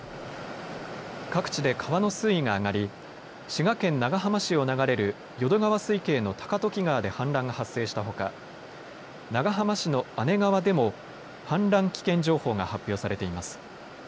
各地で川の水位が上がり滋賀県長浜市を流れる淀川水系の高時川で氾濫が発生したほか長浜市の姉川でも氾濫危険情報が発表されています。